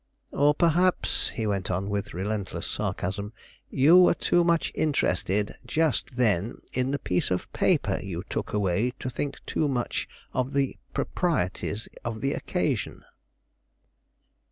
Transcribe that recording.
Or perhaps," he went on, with relentless sarcasm, "you were too much interested, just then, in the piece of paper you took away, to think much of the proprieties of the occasion?"